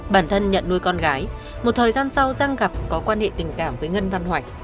bản thân nhận nuôi con gái một thời gian sau giang gặp có quan hệ tình cảm với ngân văn hoạch